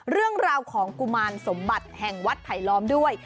เรื่องราวของกุมารสมบัติแห่งวัดไผลล้อมด้วย